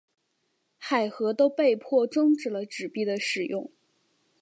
海合都被迫中止了纸币的使用。